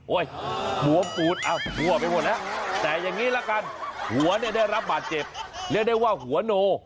หัวมปูดอ้าวทั่วไปหมดแล้วแต่อย่างนี้ละกันหัวเนี่ยได้รับบาดเจ็บเรียกได้ว่าหัวโน